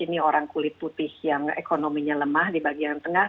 ini orang kulit putih yang ekonominya lemah di bagian tengah